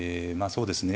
そうですね